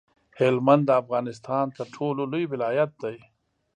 هلمند د افغانستان تر ټولو لوی ولایت دی.